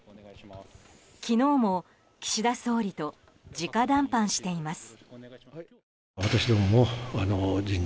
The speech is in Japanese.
昨日も岸田総理と直談判しています。